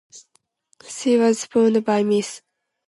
She was sponsored by Miss.